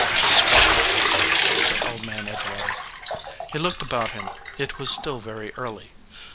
"I swan !" said Old Man Edgewater. He looked about him. It was still very early.